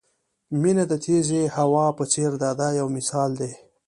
مینه د تېزې هوا په څېر ده دا یو مثال دی.